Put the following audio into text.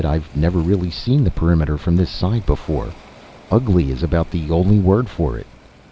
"I've never really seen the perimeter from this side before. Ugly is about the only word for it."